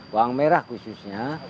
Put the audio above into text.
bawang merah khususnya